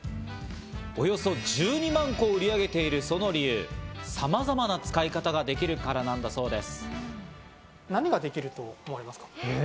およそ１２万個売り上げているその理由、さまざまな使い方ができるからなんだそうです。